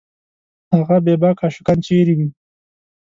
هغه بېباکه عاشقان چېرې دي